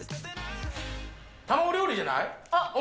卵料理じゃない？